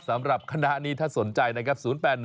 สำหรับคณะนี้ถ้าสนใจนะครับ๐๘๑